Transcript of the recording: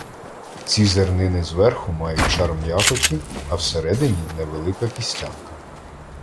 Ці зернини зверху мають шар м'якоті, а всередині невелика кістянка.